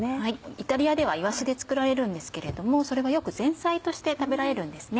イタリアではイワシで作られるんですけれどもそれはよく前菜として食べられるんです。